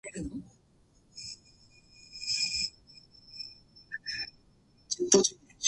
人間というものは、どこまでもわがままである。